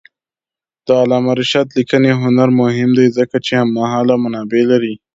د علامه رشاد لیکنی هنر مهم دی ځکه چې هممهاله منابع لري.